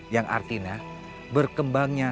yang artinya berkembangnya